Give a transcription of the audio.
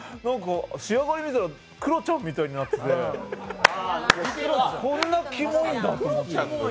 仕上がり見たら、クロちゃんみたいになってて、こんなキモいんだと思って。